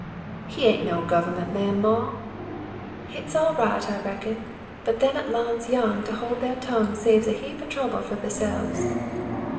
• "He hain't no government man, maw." "Hit's all right, I reckon, but them 'at larns young to hold ther tongues saves a heap o' trouble fer therselves."